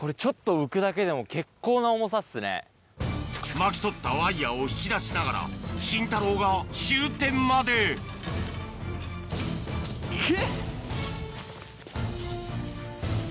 巻き取ったワイヤを引き出しながらシンタローが終点までくぅ！